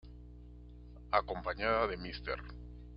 Acompañada de Mrs.